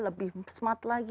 lebih smart lagi